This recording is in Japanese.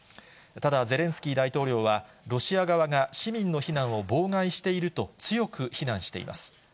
ただ、ゼレンスキー大統領は、ロシア側が市民の避難を妨害していると強く非難しています。